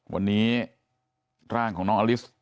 วันนี้ร่างของน้องอลิส